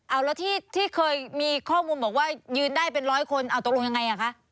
เอาแล้วที่เคยมีข้อมูลบอกว่ายืนได้เป็นร้อยคนเอาตกลงยังไงอ่ะคะ